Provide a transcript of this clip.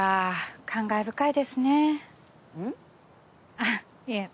あっいえ。